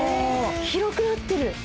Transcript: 広くなってる！